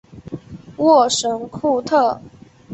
沃什库特。